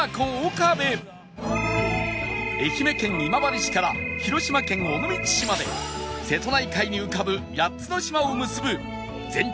愛媛県今治市から広島県尾道市まで瀬戸内海に浮かぶ８つの島を結ぶ全長